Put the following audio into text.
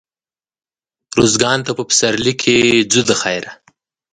روزګان ته په پسرلي کښي ځو دخيره.